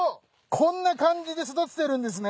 こんな感じで育ててるんですね